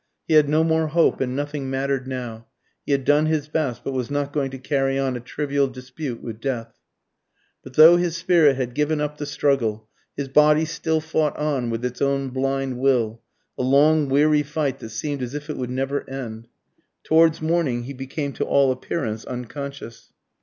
He had no more hope, and nothing mattered now. He had done his best, but was not going to carry on a trivial dispute with death. But though his spirit had given up the struggle, his body still fought on with its own blind will, a long, weary fight that seemed as if it would never end. Towards morning he became to all appearance unconscious.